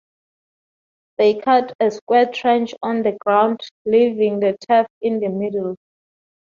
They cut a square trench on the ground, leaving the turf in the middle.